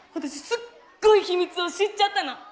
私すっごい秘密を知っちゃったの。